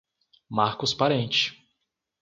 Marcos Parente